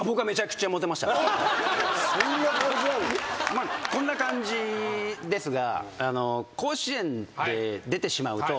まあこんな感じですが。